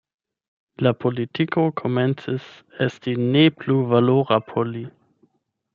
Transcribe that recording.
La politiko komencis esti ne plu valora por li.